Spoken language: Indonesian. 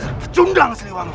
dan berjundang seliwangi